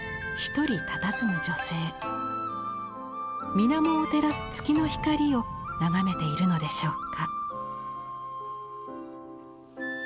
水面を照らす月の光を眺めているのでしょうか。